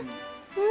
うん！